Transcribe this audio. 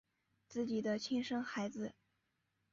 自己的亲生孩子